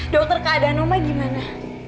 dokter keadaan omah gimana